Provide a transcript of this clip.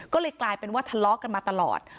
ก็เลยกลายเป็นว่าทะเลาะกันมาตลอด